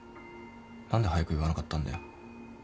何で早く言わなかったんだよ。